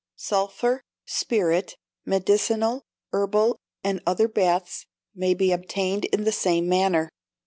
Sulphur, spirit, medicinal, herbal, and other baths may be obtained in the same manner.